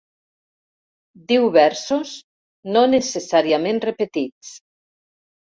Diu versos no necessàriament repetits.